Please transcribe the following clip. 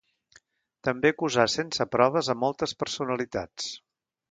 També acusà sense proves a moltes personalitats.